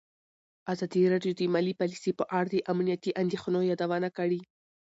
ازادي راډیو د مالي پالیسي په اړه د امنیتي اندېښنو یادونه کړې.